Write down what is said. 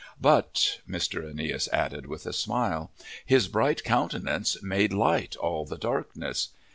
But," Mr. Aeneas added, with a smile, "his bright countenance made light all the darkness.